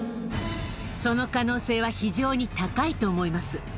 その可能性は非常に高いと思います。